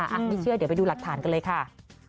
ไม่เชื่อเดี๋ยวไปดูหลักฐานกันเลยค่ะ